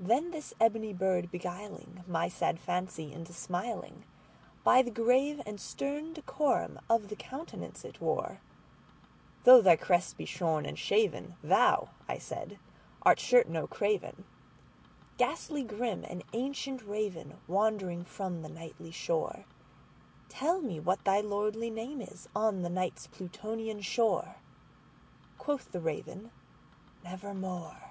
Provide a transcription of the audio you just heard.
Then this ebony bird beguiling my sad fancy into smilingBy the grave and stern decorum of the countenance it wore,—"Though thy crest be shorn and shaven, thou," I said, "art sure no craven, Ghastly grim and ancient Raven wandering from the Nightly shore:Tell me what thy lordly name is on the Night's Plutonian shore!"Quoth the Raven, "Nevermore."